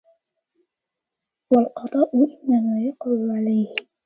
وَالْقَضَاءُ إنَّمَا يَقَعُ عَلَيْهِ